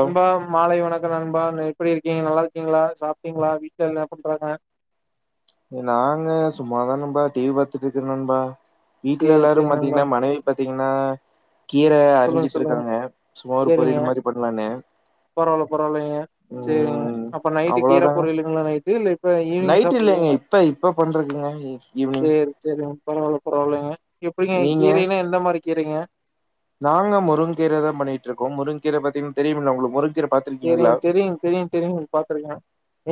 நண்பா மாலை வணக் நண்பா எப்டி இருக்கிங்க நல்லா இருக்கிங்ளா சாப்ட்டிங்ளா வீட்ல என்ன பண்றாங்க நாங்க சும்மாதா நண்பா டி வி பாத்துட்ருக்கற நண்பா வீட்ல சேரி எல்லாரு சேரி நண்பா பாத்திங்னா மனைவி பாத்திங்னா கீரை சொல்லுங்க அரிஞ்சிட்டு சொல்லுங்க இருக்காங்க சும்மா ஒரு சேரிங்க பொரியல் மாரி பண்லானு பரவால்ல பரவால்லங்க செரிங்க அப்ப நைட்டு கீரை அவ்ளோதாங்க பொரியலுங்ளா நைட்டு இல்ல இப்ப ஈவினிங் நைட் இல்லைங்க சாப்டதானா இப்ப இப்ப பண்றதுங்க ஈவினிங் செரி செரி பரவால்ல பரவால்லங்க எப்டிங்க நீங்க கீரைனா எந்த மாரி கீரைங்க நாங்க முருங்க்கீர தா பண்ணிட்ருக்கோ முருங்க்கீர பாத்திங்னா தெரியும்ல உங்ளுக்கு முருங்க்கீர எனக் தெரியுங் தெரியுங் தெரியுங் பாத்துருக்கே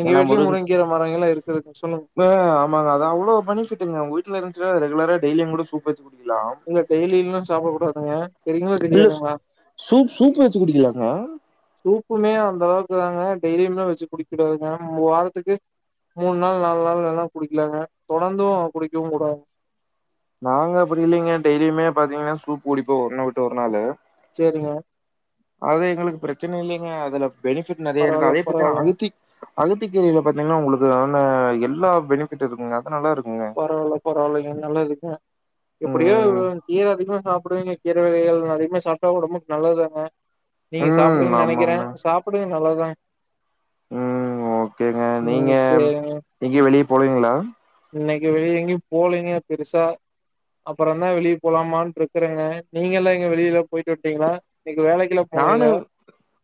எங்க ஏனா வீட்லயும் முருங் முருங்கீர மரங்கள்லா இருக்குதுங்க சொல்லுங்க அ ஆமாங்க அது அவ்ளோ பெனிஃபிட்டுங்க உங்க வீட்ல இருந்ச்னா ரெகுலரா டெய்லியு கூட சூப் வெச்சு இல்ல டெய்லியுலா சாப்ட கூடாது ஆ தெரியுங்ளா இல்ல தெரியாதுங்ளா சூப் சூப் வச்சு குடிக்கலாங்க சூப்புமே அந்த அளவுக்கு தாங்க டெய்லிம்லா வெச்சு குடிக்க கூடாதுங்க வாரத்துக்கு மூணு நாள் நாலு நாள் வேனா குடிக்கலாங்க தொடர்ந்து குடிக்கவு குடாதுங் நாங்க அப்டி இல்லைங்க டெய்லியுமே பாத்திங்னா சூப் குடிப்போ ஒரு நா விட்டு ஒரு நாளு சேரிங்க அது எங்ளுக்கு பிரச்சனை இல்லிங்க அதுல பெனிஃபிட் நெறைய இருக்கு பரவால்ல அதே பாத்தினா பரவால்லங்க அகத்தி அகத்தி கீரையில பாத்திங்னா உங்ளுக்கு அதுல எல்லா பெனிஃபிட் இருக்குங்க அது நல்லா இருக்குங்க பரவால்ல பரவால்லங்க நல்லதுங்க எப்டியோ ம் கீர அதிகமா சாப் டுவிங்க கீரை வகைகள் அதிகமா சாப்ட்டா ஒடம்புக்கு நல்லதுதான நீங்க ம் சாப்டுவிங்கன் நெனைக்கறே ஆமாங்க சாப்பிட்ரது நல்லதாங் ம் ஓகேங்க ம் சேரிங்க போறிங்ளா இன்னைக்கு வெளிய எங்கயு போலிங்க பெருசா அப்பறந்தா வெளிய போலாமான்ட்ருக்கறங்க நீங்க எல்லா எங்க வெளில போய்ட்டு வன்ட்டிங்ளா நானு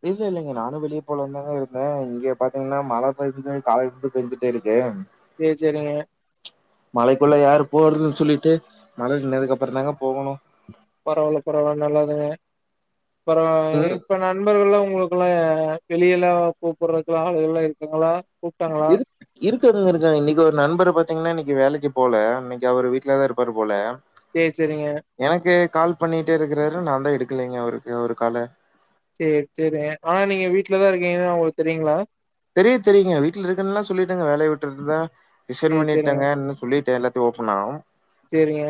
இல்ல இல்லங்க நானு வெளியே போலானுதாங்க இருந்தே இங்க பாத்தீங்னா மழ பேஞ்சது காலேர்ந்து பேஞ்சுட்டேருக்கு சேரி சேரிங்க மழைக்குள்ள யார் போறது சொல்லிட்டு மழ நின்னதுக்கப்புற தாங்க போகணு பரவால பரவால நல்லதுங்க அப்புற ம் இப்ப நண்பர்கள்ல்லா உங்ளுக்குள்ள அ வெளியெல்லா போ போறதுக்குலா ஆளுங்கல்லா இருக்குங்களா இருக் இருக்காங்க இருக்காங்க இன்னிக்கி ஒரு நண்பர் பாத்தீங்னா இன்னிக்கி வேலைக் கே போல இன்னைக்கு அவர் வீட்ல தா இருப்பாரு போல சேரி, சேரிங்க. எனக்கு கால் பண்ணிட்டே இருக்கிறாரு நான்தா எடுக்கலைங்க அவர்க்கு அவுர் கால சேர் செரிங்க ஆனா நீங்க வீட்லதா இருக்கீங்கனு அவுங்ளுக் தெரியுங்களா தெரியு தெரியுங்க வீட்ல இருக்குன்ல்லா சொல்லிட்டேங்க வேலைய உட்டதுதா ரிசைன் சேரி, சேரிங்க. பண்ணிட்டேங்கன் சொல்லிட்டே எல்லாத் டு ஓப்பனா சேரிங்க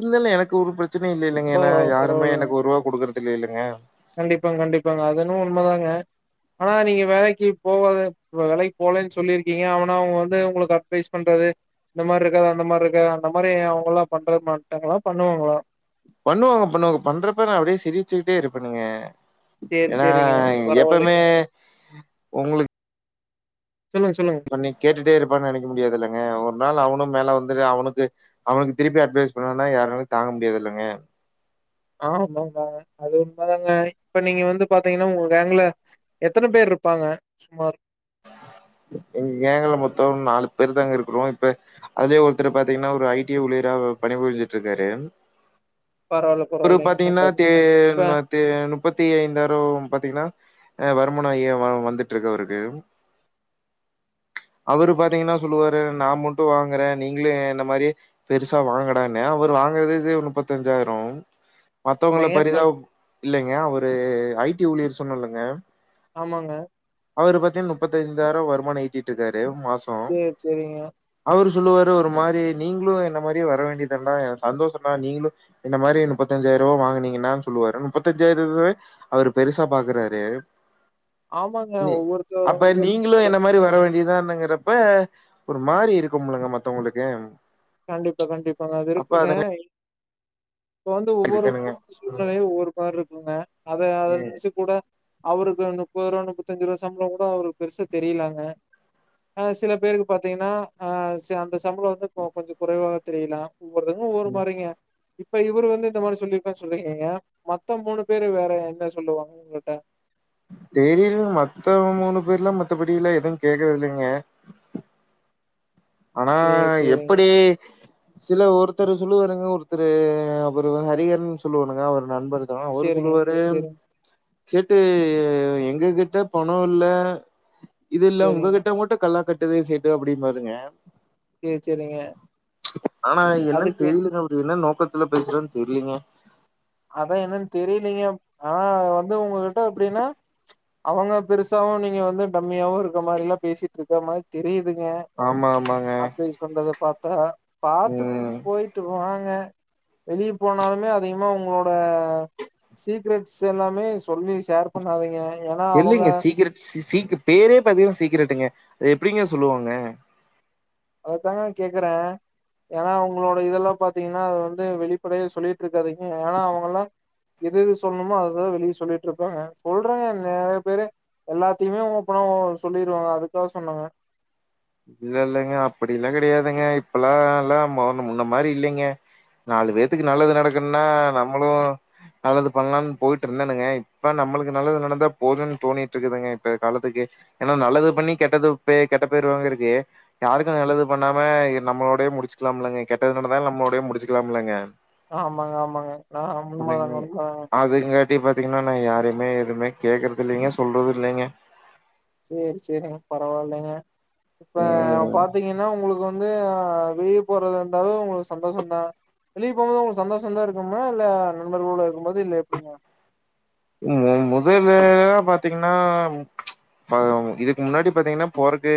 இல்லல எனக்கு ஒரு ப்ரச்சன இல்லல்லைங்க ஏனா பரவால்ல, யாருமே எனக்கு ஒரூபா குடுக்குறது இல்லல்லலைங்க கண்டிப்பாங் கண்டிப்பாங்க அதென்னுமோ உண்மதாங்க ஆனா நீங்க வேலைக்கு போகாது வேலைக்கு போலேன் சொல்லிருக்கீங்க ஆனா அவுங்க வந்து உங்குளுக் அட்வைஸ் பண்றது இந்த மாரி இருக்காதே அந்த மாரி இருக்காதே அந்த மாரி அவங்கல்லா பண்ற மாட்டாங்களா பண்ணுவாங்களா பண்ணுவாங்க பண்ணுவாங்க பண்றப்ப நா அப்டே சிரிச்சுக்கிட்டேருப்பேனுங்க சேரி, ஏனா சேரிங்க. பரவால்லை. எப்பமே உங்குளுக் சொல்லுங்க, சொல்லுங்க. வந்து கேட்டுட்டேருப் வ நெனைக்க முடியாதுல்லங்க ஒரு நாள் அவனூ மேல வந்துட்டு அவனுக்கு அவனுக்கு திருப்பி அட்வைஸ் பண்ணனா யாராலு தாங் ங் முடியாதுல்லங்க ஆமாங்க அது உண்ம தாங்க இப்ப நீங்க வந்து பாத்தீங்கன்னா உங்க கேங்க்ல எத்தன பேர் ருப்பாங்க சுமார் எங் கேங்கல மொத்தோம் நாலு பேர் தாங்க இருக்கிறோ இப்ப அதுலே ஒருத்தரு பாத்தீங்னா ஒரு ஐ டி ஊழியரா இவ் பணிபுரிஞ்சிட்டுக்காரு பரவால்ல ஒரு பரவால்லைங்கன்னு பாத்தீங்னா தே இந்ததுங்க இப்ப ம தே நுப்பத்தி ஐந்தாயிரோம் பாத்தீங்னா ஆ வருமானோ ஏ வ வந்துட்ருக்கு அவருக்கு அவரு பாத்தீங்னா சொல்லுவாரு நா மட்டு வாங்குறே நீங்களு என்ன மாரியே பெருசா வாங்கடானு அவரு வாங்கறது இது நுப்பத்தஞ்சாயிரோ மத்தவங்க இல்லைங்க இப்ப பரிதாப் இல்லைங்க அவரு ஐ டி ஊழியர் சொன்னல்லங்க ஆமாங்க அவரு பாத்தீன் நுப்பத்தைந்தாயிரோ வருமான ஈட்டிட்ருக்காரு மாசோ சேரி சேரிங்க அவர் சொல்லுவாரு ஒரு மாரி நீங்ளூ என்ன மாரி வர வேண்டியதாண்டா சந்தோஷடா நீங்ளு என்ன மாரி நுப்பத்தஞ்சாயிர் யரோ வாங்குனீங்கன்னான் சொல்லுவாரு நுப்பத்தஞ்சாயிரூவாவே அவரு பெருசா பாக்குறாரு ஆமாங்க நீ ஒவ்வொருத்த அப்ப ஒவ்வொரு நீங்ளு என்ன மாரி வர வேண்டியதான் னுங்கறப்ப ஒரு மாரி இருக்குமுலுங்க மத்தவங்களுக்கு கண்டிப்பா கண்டிப்பாங்க அது அப்ப இருக்குங்க அதுங்க ப வந்து ஒவ்வொரு இருக்கனுங்க குடும் சூழ்நிலையூ ஒவ்வொர் மாரி இருக்கூங்க அத அதது நெனைச்சுக்கூட அவருக்கு அந்த முப்பத்ரூவா முப்பத்தஞ்சுரூவா சம்ப்ளோ கூட அவருக்கு பெருசா தெரியலங்க ஆ சில பேருக்கு பாத்தீங்னா ஆ செ அந்த சம்ப்ளோ வந்து ஓ கொஞ்ச குறைவாக தெரியலா ஒவ்வொருதுங்க ஒவ்வொரு ம் மாரிங்க இப்ப இவரு வந்து இந்த மாரி சொல்லிருக்கா சொல்லிருக்கீங்க மத்த மூணு பேரு வேற என்ன சொல்லுவாங்க உங்கட்ட தெரியில் மத்த மூணு பேர்லா மத்தபடில்லா எதுவு கேக்குறதில்லிங்க ஆனா சேரி சேரிங்க எப்படி சில ஒருத்தரு சொல்லுவாருங்க ஒருத்தரு அப்ற ஹரிஅன் சொல்லுவானுங்க அவர் நண்பர் தா அவரு சேரிங்க, சொல்லுவாரு சேரிங்க, சேட்டு எங்க கிட்ட பணம் இல்ல இது இல்ல சேரிங்க, உங்ககிட்ட மட்டு கல்லா கட்டுதே சேட்டு அப்படின் பாருங்க சேரி, சேரிங்க. ஆனா என்னன்னு அதுக்கு தெரியலங்க அப்படி என்ன நோ பக்கத்துல பேசுறன் தெரிலீங்க அதா என்னன்னு தெரியலங்க ஆனா வந்து உங்ககிட்ட எப்படின்னா அவங்க பெருசாவு நீங்க வந்து டம்மியாவு இருக்க மாரிலா பேசிட்டு இருக்க மாரி தெரியு துங்க ஆமா ஆமாங்க அட்வைஸ் பண்றத பாத்த பாத்து ம் போயிட்டுவாங்க வெளியே போனாலுமே அதிகமா உங் உங்களோட சீக்ரெட்ஸ் எல்லாமே சொல்லி ஷேர் பண்ணாதீங்க ஏன்னா அவங்க இல்லைங்க சீக்கரட் சி சீக் பேரே பாத்தீங்கன்னா சீக்கிரட்டுங்க அது எப்படிங்க சொல்லுவாங்க அததாங்க நா கேக்குறே ஏன்னா அவங்களோட இதெல்லாம் பாத்தீங்கன்னா அது வந்து வெளிப்படைய சொல்லிட்டு இருக்காதீங்க ஏன்னா அவங்கல்லா எது எது சொல்லணுமோ அதான் வெளியே சொல்லிட்டு இருப்பாங்க சொல்றாங்க நெறைய பேரு எல்லாத்தையுமே ஓப்பனா ஒ சொல்லிருவாங்க அதுக்காக சொன்னேங்க இல்ல இல்லங்க அப்படி எல்லா கிடையாதுங்க இப்பல்லா எல்லா மண முன்ன மாரி இல்லைங்க நாலு பேத்தக்கு நல்லது நடக்கும்னா நம்மளு நல்லது பண்ணலாம்னு போயிட்டு இருந்தோனுங்க இப்ப நம்மளுக்கு நல்லது நடந்தா போதும் தோணிட்டு இருக்குதுங்க இப்ப காலத்துக்கு ஏன்னா நல்லது பண்ணி கெட்டது பெ கெட்ட பேருவாங்க தே யாருக்கும் நல்லது பண்ணாம நம்மளோடே முடிச்சுக்கலாம்லங்க கெட்டது நடந்தால நம்மளோடயே முடிச்சுக்கலாம்லங்க ஆமாங்க ஆமாங்க ஆமா ஆமா எப்படி பாத்தீங்கன்னா நா யாருமே எதுவுமே கேக்குறது இல்லைங்க சொல்றது இல்லைங்க சேரி சேரிங்க பரவாயில்லைங்க இப்ப ம் பாத்தீங்கன்னா உங்களுக்கு வந்து வெளிய போறது இருந்தாலும் உங்களுக்கு சந்தோஷம தா வெளியே போகும்போது உங்களுக்கு சந்தோஷம்தான் இருக்குமா இல்ல நண்பர்களோல இருக்கும் போது இல்ல எப்படிங்க மு மொதல்லாம் பாத்தீங்கன்னா ஃப இதுக்கு முன்னாடி பாத்தீங்கன்னா போறக்கு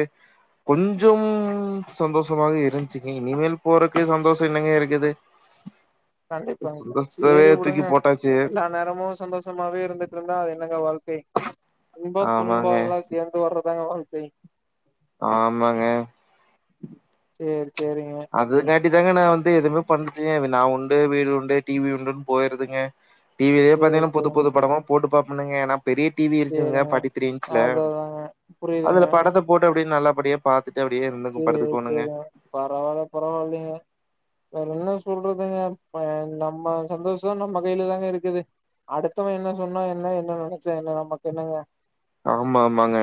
கொஞ்சம் சந்தோஷமாக இருந்துச்சுங்க இனிமேல் போறக்கு சந்தோஷம் என்னங்க இருக்குது கண்டிப்பா சந்தோஷத்தவே சேரி தூக்கி விடுங்க போட்டாச்சு எல்லா நேரமும் சந்தோஷமாவே இருந்து இருந்தா அது என்னங்க வாழ்க்கை இன்போம் துன்போ ஆமாங்க எல்லாம் சேர்ந்து வர்றதாங்க வாழ்க்கை ஆமாங்க செரி செரிங்க இப்டிதாங்க நான் வந்து எதுவுமே பண்ணச்சன் நான் உண்டு வீடு உண்டு டிவி உண்டுன்னு போயிருதுங்க டிவிலயே சேரி பாத்தீங்கன்னா புது சேரிங்க புது படமா போட்டு பாப்புனங்கன்னா பெரிய டிவி இருக்குங்க சேரிங்க ஃபார்ட்டி த்ரீ இன்ச்ல அத அதாங்க புரியுதுங்க அதுல படத்த போட்டு அப்டியே நல்லபடியா பாத்து செரி செரி பரவால பரவாயில்லீங்க வேற என்ன சொல்றதுங்க ப நம்ம சந்தோஷதான் நம்ம கையில தாங்க இருக்குது அடுத்தவ என்ன சொன்னா என்ன என்ன நெனைச்சா என்ன நமக்கு என்னங்க ஆமா ஆமாங்க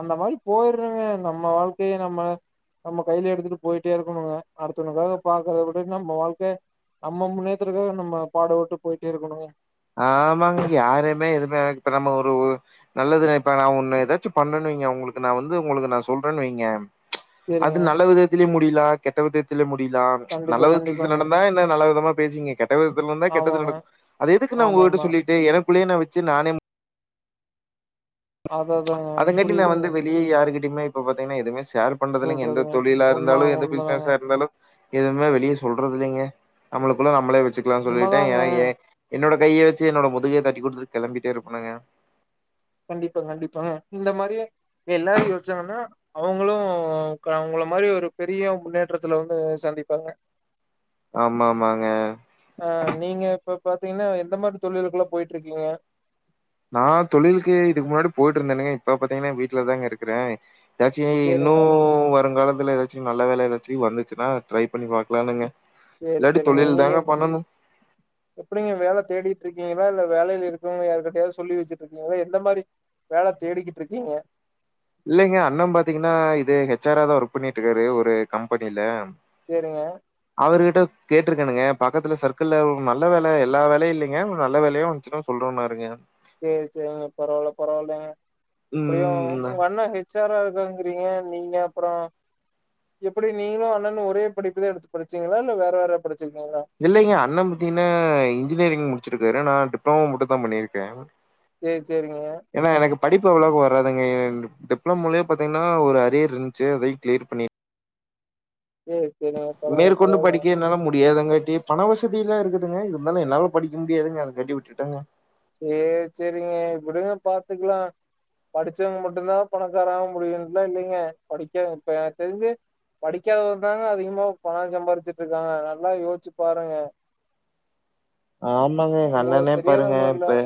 அந்த மாதி போயடுறங்க நம்ம வாழ்க்கைய நம்ம நம்ம கையில எடுத்துட்டு போயிட்டே இருக்கணுங்க அடுத்தவனுக்காக பாக்கறத விட நம்ம வாழ்க்க நம்ம முன்னேற்றுக்காக நம்ம பாட ஒட்டு போயிட்டே இருக்கணுங்க ஆமாங்க யாருமே எதுவுமே இப்ப நம்ம ஒரு நல்லது நை இப்ப நா ஒண்ணு ஏதாச்சு பண்ணன் ங்க உங்களுக்கு நான் வந்து உங்களுக்கு நான் சொல்றேன்னு வைங்க அது சேரிங்க நல்ல விதத்திலய முடியலா கெட்ட விதத்திலய முடி யலாம் நல்ல கண்டிப்பா விதத்தில கண்டிப்பாங்க நடந்தா என்ன நல்ல விதமா பேசுகீங்க கெட்ட விதத்த கெட்ட ஆமாங்க நடக்கும் அதே எது க்கு நா உங்ககிட்ட ஆமாமா சொல்லிட்டு எனக்குள்ளே நா வச்சு நானே அத அதாங்க அதங்கட்டி நா புரியுதுங்க வந்து வெளியே யாருக்கிட் டமே இப்ப பாத்தீங்கன்னா எதுவுமே ஷேர் பண்றது இல்லீங்க எந்த சொல்றதுங்க தொழிலா இருந்தாலு உண்மதாங்க எந்த உண்மதாங்க பிசினஸா இருந்தாலு எதுவுமே வெளியே சொல்றது இல்லைங்க நம்மளுக்குள்ள நம்மளே வச்சுக்கலாம்னு சொல்லிட்டே உண்மதாங்க யா ஏ என்னோட கைய வச்சு என்னோட முதுகே தட்டி குடுத்துட்டு கிளம்பிட்டே இருப்பனுங்க கண்டிப்பா கண்டிப்பாங்க இந்த மாரியே எல்லாரு யோச்சாங்கனா அவங்களு க அவ்ங்கள மா ரி ஒரு பெரிய முன்னேற்றத்துல வந்து சந்திப்பாங்க ஆமா ஆமாங்க அ நீங்க இப்ப பாத்தீங்னா எந்த மாதிரி தொழிலுக்குலா போயிட்ருக்கீங்க நா தொழிலுக்கு இதுக்கு முன்னாடி போயிட்ருந்தேனுங்க இப்ப பாத்தீங்கனா வீட்லதாங்க இருக்குறே எதாச்சு இன்னு சரிங்க. வருங்காலத்துல எதாச்சு நல்ல வேல எதாச்சு வந்துச்சுனா ட்ரை பண்ணி பாக்லானுங்க சேரி சேரிங்க நீங்க எப்டிங்க வேல தேடிட்ருக் கீங்களா இல்ல வேலைல இருக்கவ்ங்க யாருகிட்டயாது சொல்லி வச்சுட்ருக்கீங்களா எந்த மாரி வேல தேடிக்கிட்ருக்கீங்க இல்லைங்க அண்ண பாத்தீங்கனா இது ஹெச் ஆரா தா ஒர்க் பண்ணிட்டுக்காரு ஒரு கம்பெனில சரிங்க. அவருகிட்ட கேட்ருக்கணுங்க பக்கத்துல சர்க்கிள்ல நல்ல வேல எல்லா வேலையு இல்லைங்க நல்ல வேலையா வந்ச்சுனா சொல்றன்னாருங்க சேரி சேரிங்க பரவால்ல பரவால்லைங்க எப்டியு ம் ஒங்க அண்ண ஹெச் ச்சாரா இருக்காங்கிறீங்க நீங்க அப்றோ எப்டி நீங்களு அண்ணன்னு ஒரே படிப்புதா எடுத்து படிச்சீங்களா இல்ல வேற வேற படிச் இல்லைங்க அண்ண பாத்தீங்ன்னா இன்ஜினியரிங் முடிச்சிருக்காரு நா டிப்ளமோ மட்டு தா பண்ணிருக்கே சரி, சரிங்க. ஏனா எனக்கு படிப்பு அவ்ளோக்கு வரா ஏன்டு டிப்ளமோலே பாத்தீங்ன்னா ஒரு அரியர் இருந்ச்சு அதையு கிளியர் பண்ணி ம் மேற்கொண்டு படிக்க என்னால முடியாதுங்க எ பண வசதிலா இருக்குதுங்க இருந்தாலு என்னால படிக்க முடியாதுங்க அதகாட்டி விட்டுட்டேங்க சேரி சேரிங்க விடுங்க பாத்துக்கலா படிச்சவ்ங்க மட்டுந்தா பணக்காராக முடியுன்ட்லா இல்லைங்க படிக்க இப்ப எனக்கு தெரிஞ்சு படிக்காதவ தாங்க அதிகமா பண சம்பாரிச்சுட்ருக்காங்க நல்லா யோச்சு பாருங்க ஆமாங்க எங்க அண்ணனே உங்களுக்கு தெரியாத பாருங்க ஒன்னு இல்ல இப்ப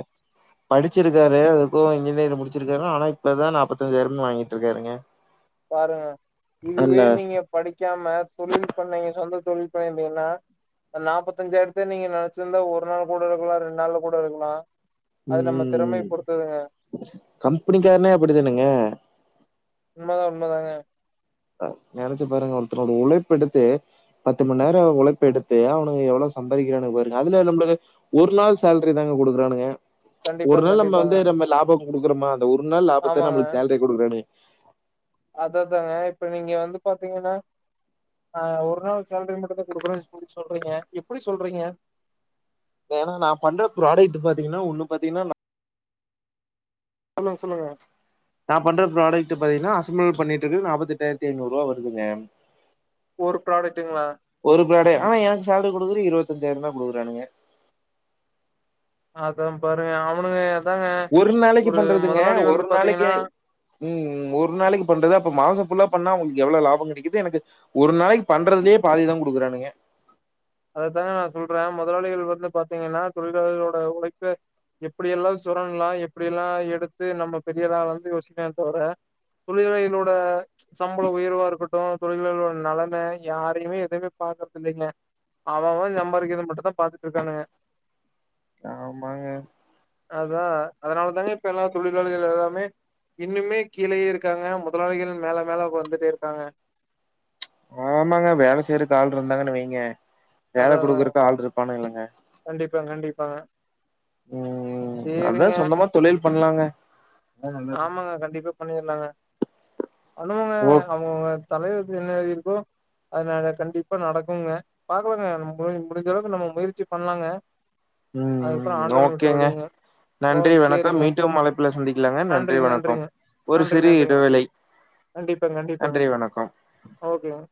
படிச்சிருக்காரு எதுக்கோ வந்து ஏ இத முடிச்சிருக்கரோ ஆனா இப்பதா நாப்பத்தஞ்சாயிரம்னு வாங்கிட்ருக்காருங்க பாருங்க இதுவே நீங்க படிக்காம தொழில் பண்லைனா சொந்த தொழில் பண்றீனா அ நாப்பத்தஞ்சாயிரத்தயு நீங்க நெனச்சிருந்தா ஒரு நாள் கூட எடுக்கலா ரெண்டு நாள்ல கூட எடுக்கலா அது நம்ம திறமை ம் பொறுத்ததுங்க கம்பெனிக்காரனே அப்படித்தானுங்க உண்மதா உண்மதாங்க அ நெனைச்சு பாருங்க ஒருத்தனோட உழைப்பெடுத்து பத்து மண் நேர உழைப்பு எடுத்து அவனுக்கு எவ்ளோ சம்பாரிக்கிறானுங்க பாருங்க அதுல நம்பளுக்கு ஒரு நாள் சேல்ரி தாங்க குடுக்குறானுங்க ஒரு கண்டிப்பாங்க நாள் நம்ம கண்டிப்பாங்க வந்து நம்ம லாப குடுக்குறோமா அந்த ஒரு நாள் லாபத்த நம்மளுக்கு சேல்ரி குடுக்குறானுங்க அத தாங்க இப்ப நீங்க வந்து பாத்தீங்கனா ஆ ஒரு நாள் சேல்ரி மட்டுந்தா கொடுக்குறானு எதுக்கு சொல்றீங்க எப்டி சொல்றீங்க ஏனா நா பண்ற ப்ராடெக்ட்டு பாத்தீங்னா ஒன்னு பாத்தீங்னா நா சொல்லுங்க சொல்லுங்க நா பண்ற ப்ராடெக்ட்டு பாத்தீங்னா அசம்பிளாவே பண்ணிட்ருக்கு நாப்பத்தெட்டாயிரத்தி ஐநூறுவா வருதுங்க ஒரு ப்ராடெக்டுங்ளா ஆ எனக்கு சேல்ரி குடுக்குறது இருவத்தஞ்சாயிரந்தா குடுக்குறானுங்க அதா பாருங்க அவனுங்க அதாங்க ஒரு நாளைக்கு பண்றதுங்க முதலாளி வந்து ஒரு நாளைக்கு பாத்தீங்கன்னா ம் ஒரு நாளைக்கு பண்றது அப்ப மாச ஃபுல்லா பண்ணா அவ்ங்களுக்கு எவ்ளோ லாபமங் கெடைக்குது எனக்கு ஒரு நாளைக்கு பண்றதுலே பாதிதா குடுக்குறானுங்க அதத்தாங்க நா சொல்றே மொதலாளிகள் வந்து பாத்தீங்கனா தொழிலாளிகளோட உழைப்பே எப்டியெல்லா சுரண்ட்லா எப்டியெல்லா எடுத்து நம்ம பெரியாளா வந்து யோசிக்கனு தவர தொழிலாளிகளோட சம்பள உயர்வா இருக்கட்டு தொழிலாளியோட நலனு யாரையுமே எதைமே பா பாக்கற்தில்லைங்க அவ அவ சம்பாரிக்கிறத மட்டுந்தா பாத்துட்ருக்காங்க ஆமாங்க அதா அதனால தாங்க இப்ப எல்லா தொழிலாளிகள் எல்லாமே இன்னுமே கீழேயே இருக்காங்க முதலாளிகள் மேல மேல வந்துட்டே இருக்காங்க ஆமாங்க வேல செய்றக்கு ஆள் இருந்தாங்கன்னு வைங்க அதா வேல அதா குடுக்கறக்கு ஆள் இருப்பானு இல்லங்க கண்டிப்பாங்க கண்டிப்பாங்க ம் ம் அதுதா சேரிங்க சொந்தமா தொழில் பண்ணலாங்க அதான் நல்லது ஆமாங்க கண்டிப்பா பண்ணிட்லாங்க அனுவங்க ஓ அவங்கங்க தலையெழுத்து என்ன எழுதிருக்கோ அதது கண்டிப்பா நடக்குங்க பாக்கலாங்க நம்போ முடிஞ்சளவுக்கு நம்ம முயற்சி பண்லாங்க அதுக்கப்புறம் ம் ஆண்டவன் விட்ட ஓகேங்க வழிங்க ஓ நன்றி வணக்கம் சேரிங்க மீண்டும் அழைப்புல சந்திக்கலாங்க நன்றி நன்றிங்க வணக்கம் ஒரு சிறிய இடைவேளை கண்டிப்பாங் கண்டிப்பாங்க நன்றி வணக்கம் ஓகேங்க